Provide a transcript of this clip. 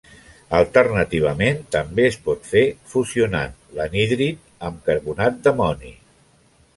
Alternativament també es pot fer fusionant l'anhídrid amb carbonat d'amoni.